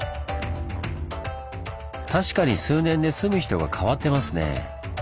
確かに数年で住む人がかわってますね。